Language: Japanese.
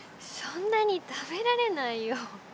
そんなに食べられないよ。